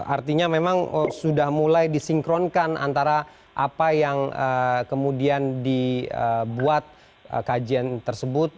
artinya memang sudah mulai disinkronkan antara apa yang kemudian dibuat kajian tersebut